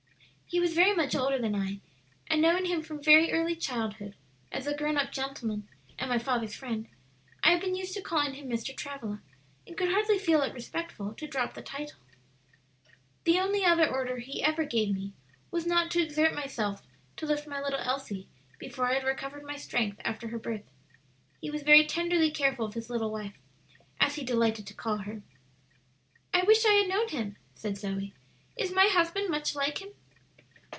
"He was very much older than I, and knowing him from very early childhood, as a grown up gentleman and my father's friend, I had been used to calling him Mr. Travilla, and could hardly feel it respectful to drop the title. "The only other order he ever gave me was not to exert myself to lift my little Elsie before I had recovered my strength after her birth. He was very tenderly careful of his little wife, as he delighted to call her." "I wish I had known him," said Zoe. "Is my husband much like him?"